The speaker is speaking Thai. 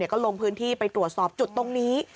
ก็ลงพื้นที่ไปตรวจสอบจุดตรงนี้